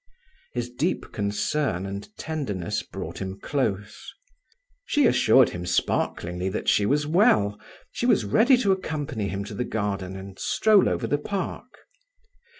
His deep concern and tenderness brought him close. She assured him sparklingly that she was well. She was ready to accompany him to the garden and stroll over the park.